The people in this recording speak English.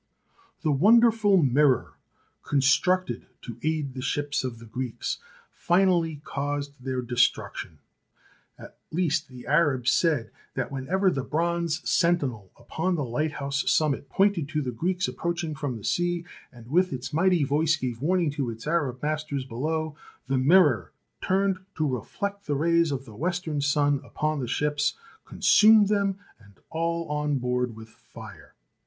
The wonderful mirror constructed to aid the ships of the Greeks finally caused their destruc tion; at least the Arabs said that whenever the bronze sentinel upon the lighthouse summit pointed to the Greeks approaching from the sea, and with its mighty voice gave warning to its Arab masters below, the mirror, turned to reflect the rays of the western sun upon the ships, consumed them and all on board with fire.